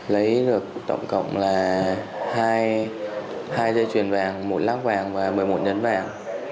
lấy được tổng cộng là hai dây chuyền vàng một lắc vàng và một mươi một nhấn vàng